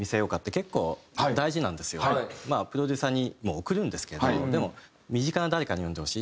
まあプロデューサーにも送るんですけどでも身近な誰かに読んでほしい。